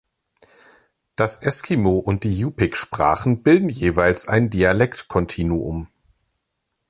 Das Eskimo und die Yupik-Sprachen bilden jeweils ein Dialektkontinuum.